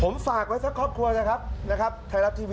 ผมฝากไว้ครอบครัวสร้างครัว